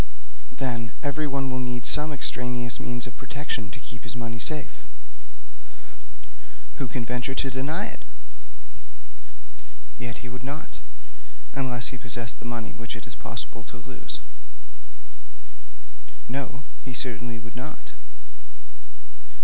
'Then, everyone will need some extraneous means of protection to keep his money safe.' 'Who can venture to deny it?' 'Yet he would not, unless he possessed the money which it is possible to lose.' 'No; he certainly would not.'